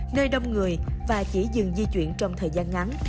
nơi đông người và chỉ dừng di chuyển trong thời gian ngắn